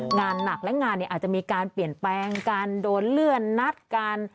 งานหนักและงานเนี่ยอาจจะมีการเปลี่ยนแปลงการโดนเลื่อนนัดการ